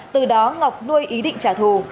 từ đó ngọc nuôi ý định trả thù